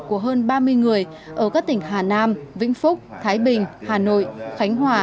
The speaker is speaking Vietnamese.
của hơn ba mươi người ở các tỉnh hà nam vĩnh phúc thái bình hà nội khánh hòa